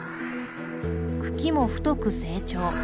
茎も太く成長。